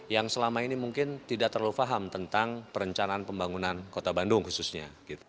yang selama ini mungkin tidak terlalu paham tentang perencanaan pembangunan kota bandung khususnya